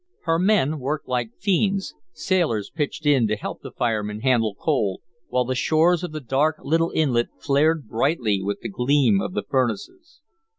Her men worked like fiends; sailors pitched in to help the firemen handle coal, while the shores of the dark little inlet flared brightly with the gleam of the furnaces.